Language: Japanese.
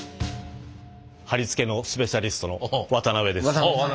貼り付けのスペシャリストの渡辺です。